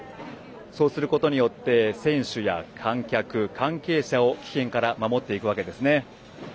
そうすることによって選手や観客、関係者を危険から守っていくわけです。